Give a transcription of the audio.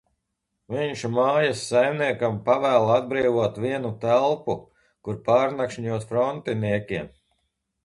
Viņš mājas saimniekam pavēl atbrīvot vienu telpu, kur pārnakšņot frontiniekiem.